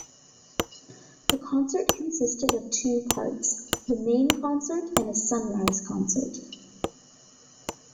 The concert consisted of two parts, the Main Concert and a Sunrise Concert.